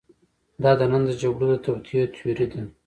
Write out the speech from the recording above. دا د نن د جګړو د توطیو تیوري ده.